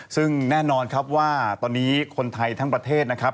ซึ่งแน่นอนครับว่าตอนนี้คนไทยทั้งประเทศนะครับ